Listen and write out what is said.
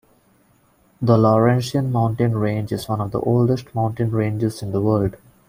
The Laurentian Mountain range is one of the oldest mountain ranges in the world.